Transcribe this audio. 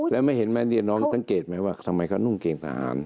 แล้วไม่เห็นไหมเนี่ยน้องสังเกตไหมว่าทำไมเขานุ่งเกณฑหาร